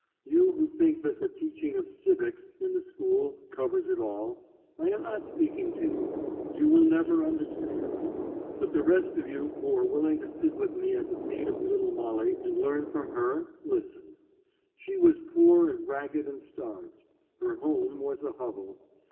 You who think that the teaching of "civics" in the school covers it all, I am not speaking to you. You will never understand. But the rest of you who are willing to sit with me at the feet of little Molly and learn from her, listen: She was poor and ragged and starved. Her home was a hovel.